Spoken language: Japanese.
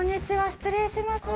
失礼します。